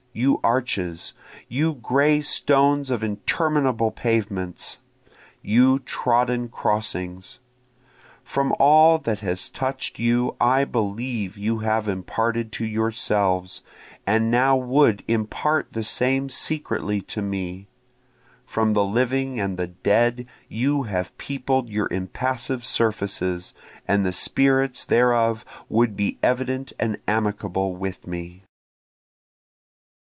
you arches! You gray stones of interminable pavements! you trodden crossings! From all that has touch'd you I believe you have imparted to yourselves, and now would impart the same secretly to me, From the living and the dead you have peopled your impassive surfaces, and the spirits thereof would be evident and amicable with me.